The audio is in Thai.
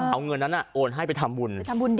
เอาเงินนั้นโอนให้ไปทำบุญ